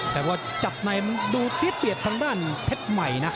แต่ว่าจับในดูซีดเปียดทางด้านเพชรใหม่นะ